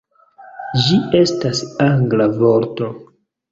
Ĝi estas angla vorto